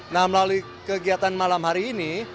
nah melalui kegiatan malam hari ini